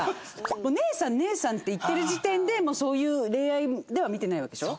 もう「姉さん姉さん」って言ってる時点でもうそういう恋愛では見てないわけでしょ。